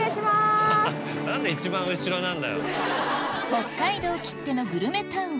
北海道きってのグルメタウン